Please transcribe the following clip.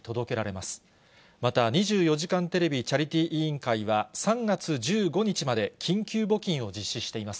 また２４時間テレビチャリティー委員会は、３月１５日まで緊急募金を実施しています。